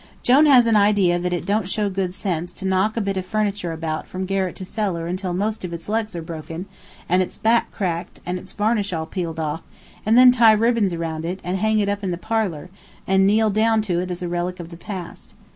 Jone has an idea that it don't show good sense to knock a bit of furniture about from garret to cellar until most of its legs are broken, and its back cracked, and its varnish all peeled off, and then tie ribbons around it, and hang it up in the parlor, and kneel down to it as a relic of the past.